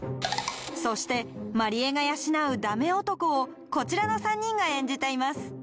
そして万里江が養うダメ男をこちらの３人が演じています